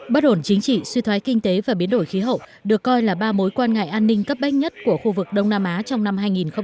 bất ổn chính trị suy thoái kinh tế và biến đổi khí hậu được coi là ba mối quan ngại an ninh cấp bách nhất của khu vực đông nam á trong năm hai nghìn hai mươi